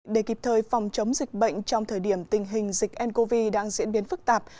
để kịp thời phòng chống dịch bệnh trong thời điểm tình hình dịch ncov đang diễn biến phức tạp